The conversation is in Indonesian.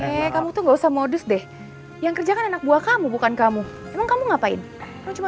eh kamu tuh nggak usah modus deh yang kerjakan anak buah kamu bukan kamu emang kamu ngapain kamu cuma